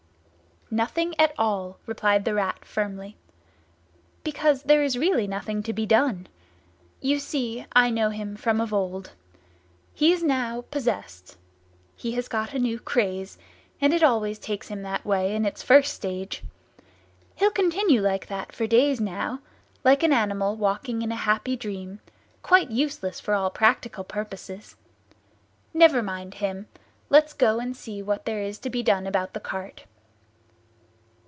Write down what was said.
"Nothing at all," replied the Rat firmly. "Because there is really nothing to be done. You see, I know him from of old. He is now possessed. He has got a new craze, and it always takes him that way, in its first stage. He'll continue like that for days now, like an animal walking in a happy dream, quite useless for all practical purposes. Never mind him. Let's go and see what there is to be done about the cart."